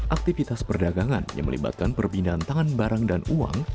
aktivitas perdagangan yang melibatkan perbinaan tangan barang dan uang